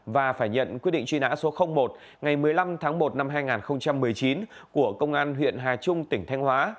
và phải nhận quyết định truy nã số một ngày một mươi năm tháng một năm hai nghìn một mươi chín của công an huyện hà trung tỉnh thanh hóa